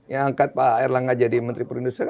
yang angkat pak erlangga jadi menteri perindustrian